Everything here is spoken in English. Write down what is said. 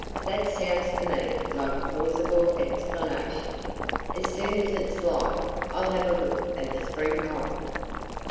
That sounds to me like a plausible explanation. As soon as it's light I'll have a look at the spring hole."